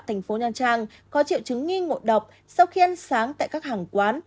thành phố nha trang có triệu chứng nghi ngộ độc sau khi ăn sáng tại các hàng quán